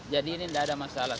jadi ini tidak ada masalah